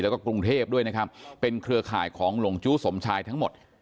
แล้วก็กรุงเทพด้วยนะครับเป็นเครือข่ายของหลงจู้สมชายทั้งหมด